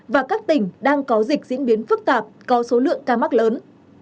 và các tỉnh đang có dịch diễn biến phức tạp có số lượng ca mắc lớn